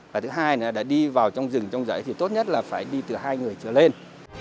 và thứ hai nữa là đi vào trong rừng trong dãy thì tốt nhất là phải đi từ hai người trở lên